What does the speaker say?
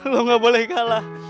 lo gak boleh kalah